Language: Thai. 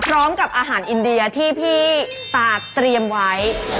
พร้อมกับอาหารอินเดียที่พี่ตาเตรียมไว้